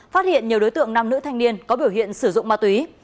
phát hiện nhiều đối tượng nam nữ thanh niên có biểu hiện sử dụng ma túy